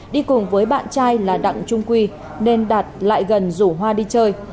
đi cùng với bạn trai là đặng trung quy nên đạt lại gần rủ hoa đi chơi